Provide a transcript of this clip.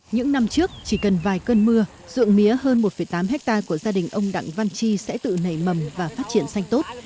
những năm trước chỉ cần vài cơn mưa ruộng mía hơn một tám hectare của gia đình ông đặng văn chi sẽ tự nảy mầm và phát triển xanh tốt